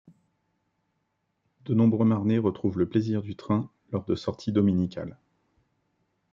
De nombreux Marnais retrouvent le plaisir du train lors de sorties dominicales.